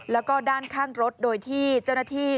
แล้วก็ด้านข้างรถโดยที่เจ้าหน้าที่